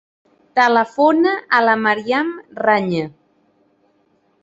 Telefona a la Maryam Raña.